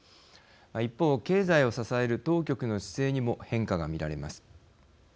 一方、経済を支える当局の姿勢にも変化が見られます。